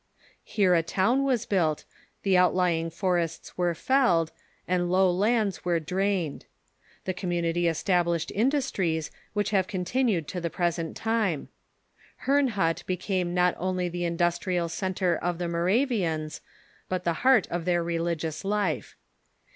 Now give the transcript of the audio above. Here a town was built, the out lying forests were felled, and low lands were drained. The community established industries which have continued to the present time, Herrnhut became not only the industrial centre of the Moravians, but the heart of their relig ious life.